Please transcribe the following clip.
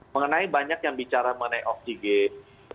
mengenai banyak yang bicara mengenai oksigen